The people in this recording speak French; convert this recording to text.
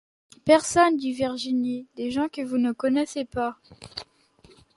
Personne, dit Virginie ; des gens que vous ne connaissez pas.